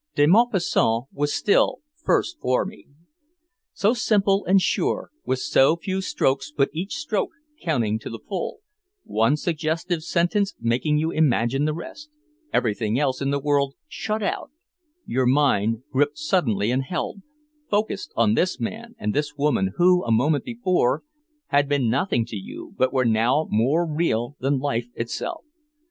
De Maupassant was still first for me. So simple and sure, with so few strokes but each stroke counting to the full, one suggestive sentence making you imagine the rest, everything else in the world shut out, your mind gripped suddenly and held, focussed on this man and this woman who a moment before had been nothing to you but were now more real than life itself.